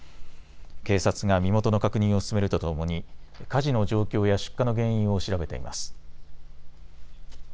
警察が身元の確認を進めるとともに火事の状況や出火の原因を調べています。